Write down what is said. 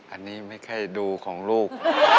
อันนี้ไม่ใช่ดูของลูก